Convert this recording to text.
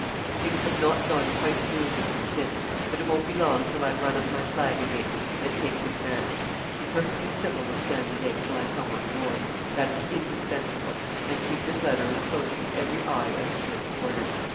Things have not gone quite smooth with me since; but it won't be long till I run up my flag again, and take the command. Be perfectly civil with Stanley Lake till I come on board that is indispensable; and keep this letter as close from every eye as sealed orders.